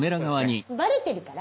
バレてるから。